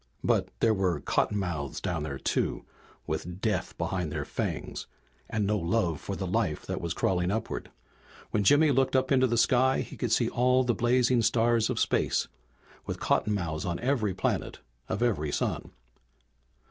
But there were cottonmouths down there too, with death behind their fangs, and no love for the life that was crawling upward. When Jimmy looked up into the sky he could see all the blazing stars of space, with cottonmouths on every planet of every sun.